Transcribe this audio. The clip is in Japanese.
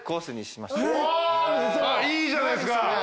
いいじゃないですか。